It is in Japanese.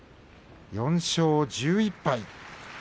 ４勝１１敗。